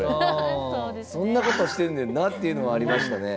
そんなことしてんねんなっていうのはありましたね。